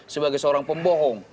sebagai seorang pembohong